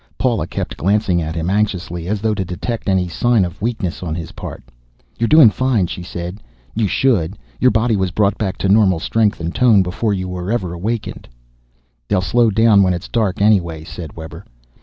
Paula kept glancing at him anxiously, as though to detect any sign of weakness on his part. "You're doing fine," she said. "You should. Your body was brought back to normal strength and tone, before you ever were awakened." "They'll slow down when it's dark, anyway," said Webber.